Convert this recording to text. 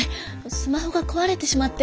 スマホが壊れてしまって。